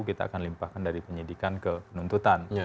kita akan limpahkan dari penyidikan ke penuntutan